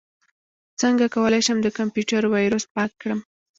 څنګه کولی شم د کمپیوټر ویروس پاک کړم